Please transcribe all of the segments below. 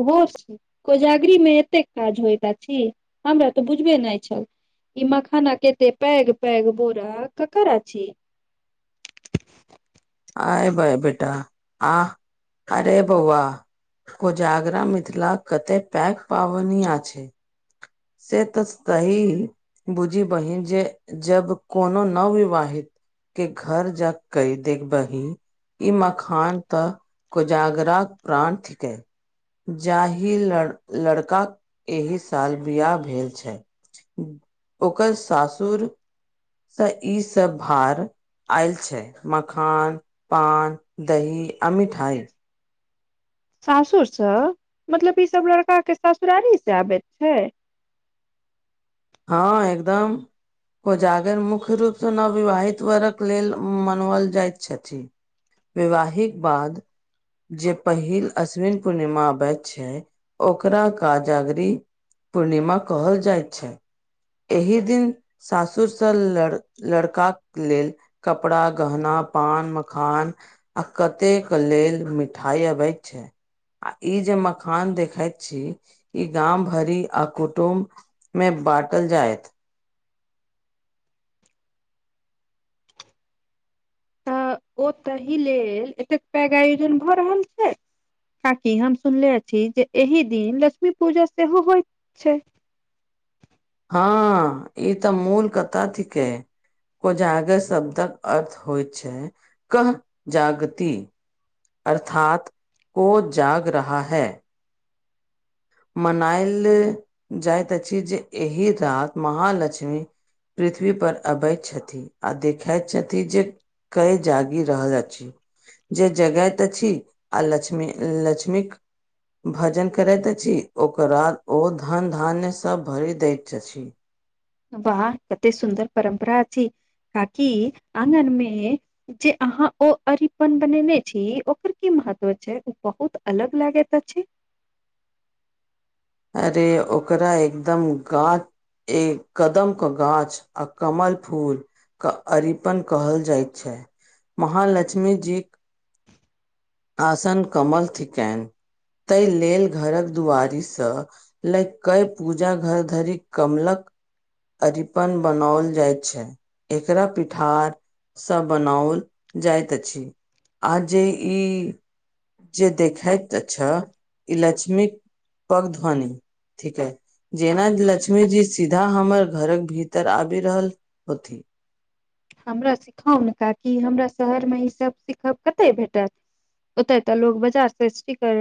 भोज कोजगरी मे एतेक काज होइत अछि हमरा तऽ बुझबे नै छै। ई मखाना के एते पैग -पैग बोरा ककर अछि। आइ बेै- बेेट आ अरे बौआ। कोजागरा मिथिलाक कतेक पैग पाबनि आछे। से तऽ तहि बुझी बहिन जे जब कोनो नव विवाहित के घर जा कई देखबहि ई मखान तऽ कोजागराक प्राणथ के जाहि लर -लड़का एहि साल बियाह भेल छै ओकर सासुर सँ ई सब भार आइल छै मखान, पान, दही आ मिठाई। सासुर सँ मतलब ई सब लड़का के सासुरारी से आबेैत छै। हँ। एकदम कोजागर मुख्य रूपसँ नवविवाहित वर्क लेल मनाओल जाइत छथि। विवाहिक बाद। जे पहिल अश्विन पूर्णिमा अबैत छै ओकरा काजगरी। पूर्णिमा कहल जाइत छै। एहि दिन सासुर स लड़ लड़काक लेल। कपड़ा गहना पान मखान। आ कतेक लेल मिठाई अबैत छै। आ ई जे मखान देखैत छी ई गाम भरी आ कुटुम्ब। में बाटल जायत। तऽ ओ ताहि लेल एतेक पैग आयोजन भऽ रहल छै। काकि हम सुनलने छी जे एहि दिन लक्ष्मी पूजा सेहो होइत छै। हँ ई तऽ मूल कतऽ थिके।। कोजाागर शब्दक अर्थ होइ छै कह जागति। अर्थात वो जाग रहा है। मनायल जाइत अछि जे एहि रात महालक्ष्मी। पृथ्वी पर अबैत छथि आ देखैत छथि जे। के जागि रहल अछि। जे जगैत अछि आ लक्ष्मी लक्ष्मीक भजन करैत अए। जे औकरा धन धान्य सब भरि दैत छथि। वाह कते सुन्दर परम्परा थिक काकि आगन मे। जे अहाँ ओ अरिपन बनेने छी ओकर की महत्व छै ओ बहुत अलग लागैत अछि। अरे ओकरा एकदम गा। एक कदम क गाछ आ कमल फूल। क अरिपन कहल जाइत छै महालक्ष्मी जी। आसन कमल थिकनि ताहि लेल घरक दुआरिसँ। लै कय पूजा घर धरि कमलक। अरिपन बनाओल जाय छै एकरा पिठार। सँ बनाओल जाइत अछि आ जे ई। जे देखैत छ ई लक्ष्मी पग ध्वनि ठीक है। जेना लक्ष्मी जी सीधा हमर घरक भीतर आबि रहल होती। हमरा सिखाउ ने काकि हमरा शहरमे ईसभ सीखब कतय भेटत। ओते तऽ लोग बाजार से स्टिकर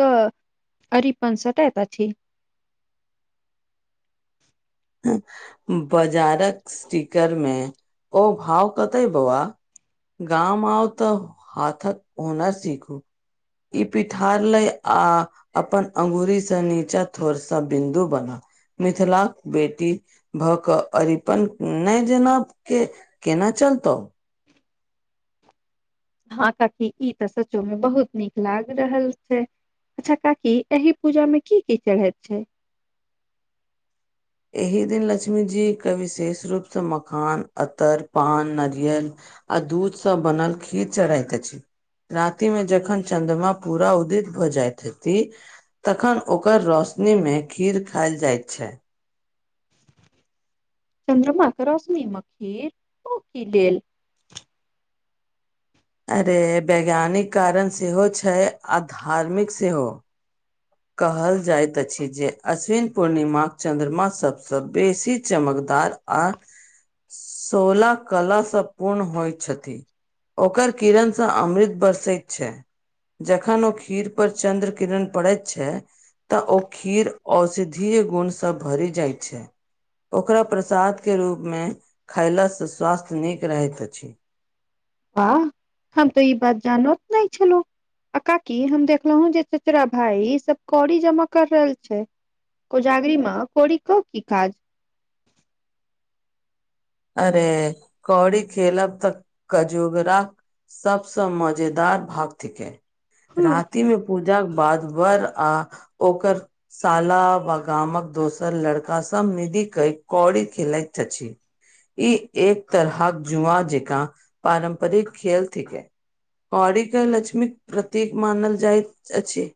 के अरिपन सटैत अछि। बाजारक स्टीकर मे ओ भाव कते बउआ। गामा आउ तऽ हाथक हूनर सीखू। ई पिठार ले आ। अपन अंगूी से नीचा थोड़ सा बिन्दु बना मिथिला। बेटी भऽ कऽ अरिपन नहि जेना के केना चलतौ। हँ काकी ई तऽ सचो मे बहुत नीक लागि रहल छै। अच्छा काकी एहिह पूजा में की की चढ़ैत छै। एहि दिन लक्ष्मी जी के विशेष रूप से मखान अतर पान नारियल। आ दूध सब बनल खीर चढ़ैतइत छी। राति में जखन चद्रमा पूरा उदित भऽ जाइत हती। तखन ओकर रौशनीमे खीर खायल जाइत छै। चन्द्रमा के रौश्म मे खीर की लेल। अरे वैज्ञानिक कारण सेहो छै आ धार्मिक सेहो। कहल जाइत अछि जे अश्विन पूर्णिमाक चन्द्रमा सबसँ बेसी चमकदार आ सोलह कलसँ पूर्ण होइ छथि। ओकर किरणसँ अमृत बरसैत छै। जखन ओ खीर पर चंन्द्र किरण पड़ैत। छै तऽ ओ खीर औषधीय गुण सब भरि जाइ छै। ओकरा प्रसाद के रूप मे खायलास से स्वास्थ्य नीक रहैत अछि। आह हम तऽ ई बात जानत नै छेलूह। आ काकी हम देखलहुँ जे चेचरा भाई ई सब कौड़ी जमा कर रहल छै। कोजागरीमे कोड़ी कऽ की काज अरे कौड़ी खेलब तऽ कजूगरा सबसँ मजेदार भक्त के हँ राति मे पूजा जब बादवर आ ओकर सालाब गामक दोसर लड़कास सब मिली कौड़ी खेलाइत छथि। ई एक तरहक जुआ जेंका पारम्परिक खेल थिके। कड़ी के लक्ष्मीक प्रतीक मानल जाइत अछि।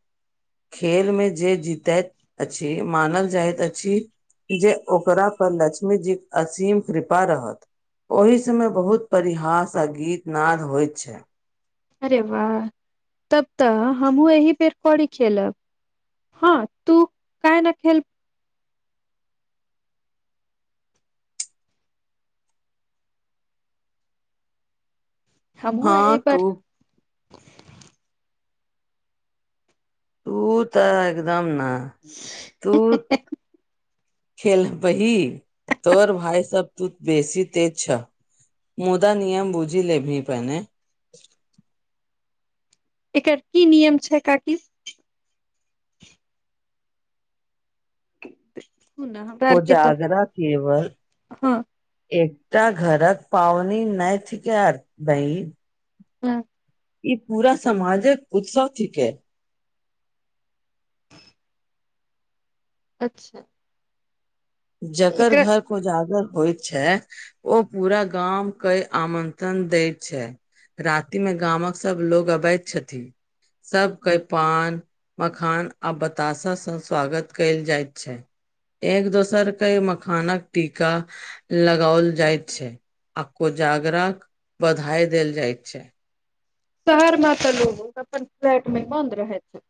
खेल मे जे जीतैत अछि मानल जाइत अछि। जे ओकरा पर लक्ष्मी जी असीम कृपा रहत ओहि सबय बहुत परिहास आ गीत नाद होइत छै। अरे वाह! तब तऽ हमहुँ एहि बेर कौड़ी खेलब। हँ तू कय न खेल हमहुँ हँ एहि पर तू उ तऽ एकदम नऽ ह तु खेल बहि तोर भाय सब तू बेसी तेज छऽ मुदा नियम बुझीलेभी पहने एकर की नियम छै कारतिस सुन न, हमरा आर के तऽ कोजागरा केवल हँ एकटा घरक पावनी नहि [unintelligible] हूँ ई पूरा समाजक उत्सव थिके। अच्छा जकर एकरा घर कोजागर होइ छै ओ पूरा गाम के आमन्त्रण दैत छै। राति मे गामक सब लोग अबैत छथि सबके पान मखान आ बताशाँ स्वागत केएल जाइत छै एक दोस सरके मखानक टीका लगाओल जाइत छै आ कोजागराक बधाई देल जाइत छै। शहर मे तऽ लोग अपन फ्लैट में बन्द रहैत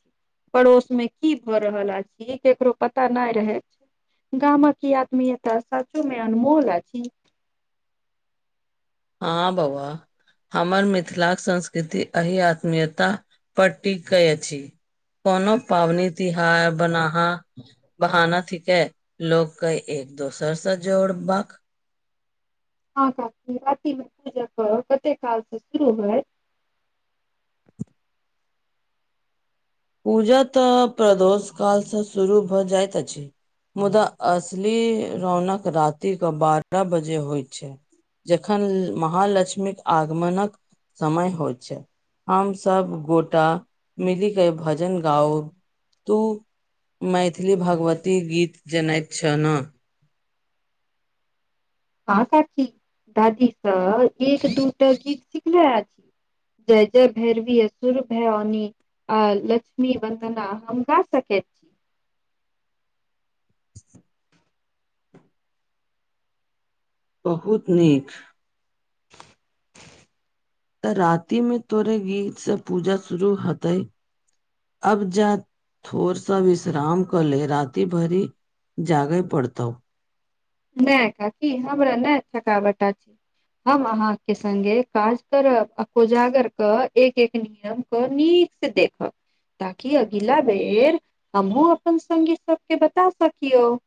पड़ोस में की भऽ रहल आइ ई केकरो पता नै रहै। गामक ई आदमी एतऽ सचो में अनमोल अछि। हँ बौआ हमर मिथिलाक संस्कृति एहि आत्मीयता पर टिकै अछि। कोनो पाबनि तिहार, बनाहा बहाना थीके लोग के एक-दोसर सै जोड़बाक हँ काकी, राति में पूजा करब कते काल से शुरू हयत? पूजा तऽ प्रदोष कालसँ शुरू भऽ जाइत अछि। मुदा असली रौनक राति के बारह बजे होइ छै। जखन महालक्ष्मीक आगमनक समय होइ छै, हम सब गोटा मिलि के भजन गाउ तु मैथिली भगवती गीत जनै छ न हँ काकी, दादी सं एक-दूटा गीत सिखले अछि। जय-जय भैरवी असुर भयाओनि आ लक्ष्मी वन्दना हम गा सकै छी। बहुत नीक। [inaudible] तऽ राति में तोरे गीत सं पूजा शुरू हेतै, अब जा थोड़ स विश्राम क ले, राति भरि जागै पड़तौ। नै काकी, हमरा नहि थकावट अछि। हम अहाँ के संगे काज करब आ कोजागर क एक-एक नियम क नीक से देखब। ताकि अगिला बेर हमहुँ अपन संगी सबके बता सकियौ।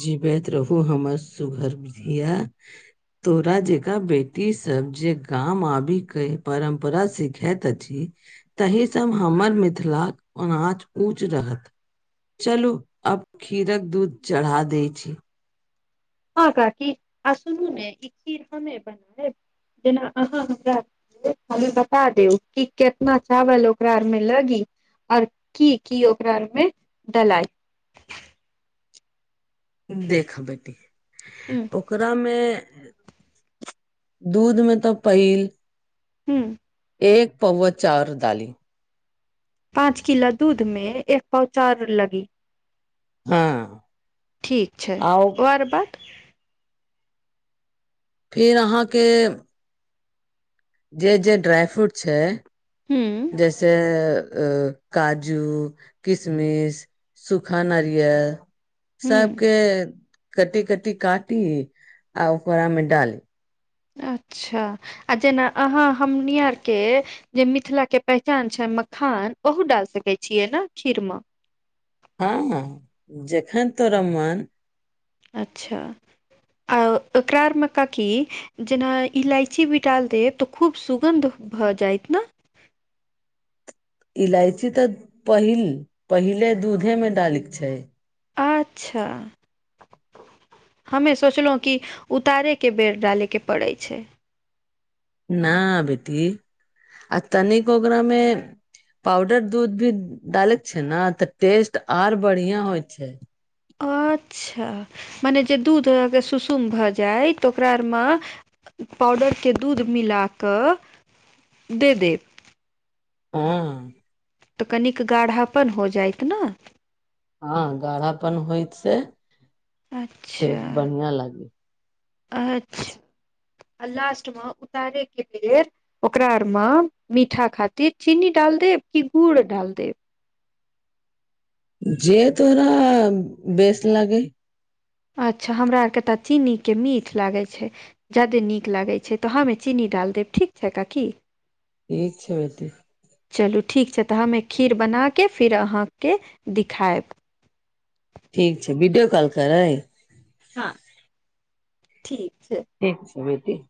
जीबैत रहू हमर सुघरधिया। तोरा जेकाँ बेटी सब जे गाम आबिके परम्परा सिखैत अछि। तहि सँ हमर मिथिलाक ओनाच ऊँच रहत। चलू आब खीरक दूध चढ़ा दै छी। हँ काकी, आ सुनू ने ई खीर हमें बनतै जेना अहाँ हमरा हमें बता देब कि केतना चावल ओकरा आर में लगी। और की की ओकरा आर में डलाई। देख बेटी ह ओ ओकरा में दूध में तऽ पहिल हुं एक पौवा चॉर डाली पाँच किलो दूध में एक पाव चॉर लगी। हँ। ठीक छै आउ और बात फेर अहाँके जे-जे ड्राय फ्रूट छै, हुँ जैसे अ काजू, किसमिस, सुखा नारियल हुँ सबके कटी-कटी काटी आ ओकरा में डाली। अच्छा आ जेना अहाँ हमनी आरके जे मिथिला के पहचान छै मखान ओहो डाल सकै छियै न खीर मे हँ जेखन तोरा मन अच्छा। आ ओकरा आर में काकी जेना इलायची भी डाल देब त खूब सुगन्ध भऽ जाइत न। ईलायची तऽ पहिल - पहिले दूधे में डालै छै। आच्छा। हमे सोचलहुँ कि उतारैके बेर डालेके पड़ै छै। न बेटी आ तनिक ओकरा में पाउडर दूध भी डाले छै ने तऽ टेस्ट आर बढ़िया होय छै। अच्छा मने जे दूध अहके सुसुम भऽ जाय तऽ ओकरा आरमे पाउडर के दूध मिला कऽ दे देब। हँ। तऽ कनिक गाढ़ापन हो जाइत न। हँ गाढ़ा पन होइत छै। अच्छा- लागी अच्छ आ लास्ट में उतारे के लेल। ओकरा आरमे मीठा खातिर चीनी डाल देब कि गुड़ डाल देब। जे तोरा बेस लागे। अच्छा हमरा आरके तऽ चीनी के मीठ लागैत छै। ज्यादे नीक लागैत छै तऽ हमे चीनी डाल देब ठीक छै काकी। इ छैत। चलू ठीक छै तऽ हमे खीर बनाके फेर अहाँके दिखायब। ठीक छै वीडियो कॉल करै। हँ ठीक छै। ठीक छै बेटी।